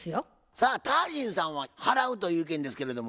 さあタージンさんは払うという意見ですけれども。